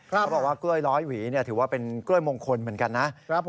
เขาบอกว่ากล้วยร้อยหวีถือว่าเป็นกล้วยมงคลเหมือนกันนะ